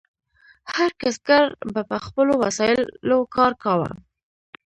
هر کسبګر به په خپلو وسایلو کار کاوه.